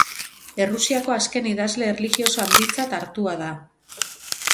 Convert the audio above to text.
Errusiako azken idazle erlijioso handitzat hartua da.